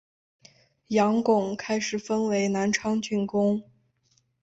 杨珙开始封为南昌郡公。